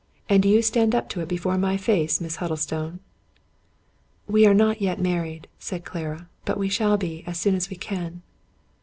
And you stand up to it before my face> Miss Huddlestone ?"" We are not yet married," said Clara ;" but we shall be as soon as we can."